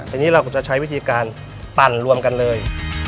อันนี้เราก็จะใช้วิธีการปั่นรวมกันเลย